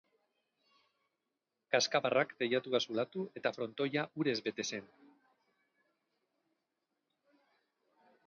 Kazkabarrak teilatua zulatu eta frontoia urez bete zen.